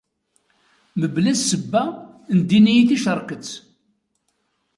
Mebla ssebba, ndin-iyi ticerket.